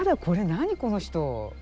これ何この人！